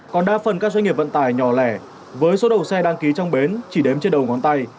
còn đa phần các doanh nghiệp vận tải nhỏ lẻ với số đầu xe đăng ký trong bến chỉ đếm trên đầu ngón tay